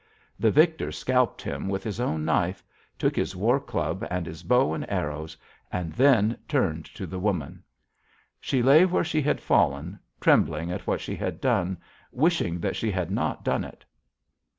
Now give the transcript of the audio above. The victor scalped him with his own knife, took his war club and his bow and arrows, and then turned to the woman. "She lay where she had fallen, trembling at what she had done, wishing that she had not done it.